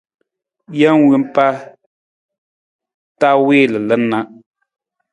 Jee wompa ta wii lalan na.